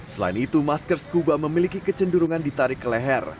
selain itu masker scuba memiliki kecenderungan ditarik ke leher